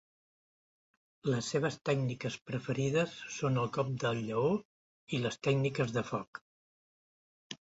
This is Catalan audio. Les seves tècniques preferides són el cop del lleó i les tècniques de foc.